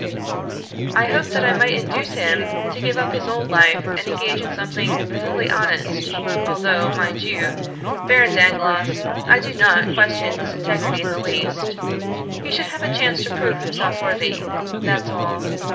"I hoped that I might induce him to give up his old life and engage in something perfectly honest, although, mind you, Baron Dangloss, I do not question his integrity in the least. He should have a chance to prove himself worthy, that's all.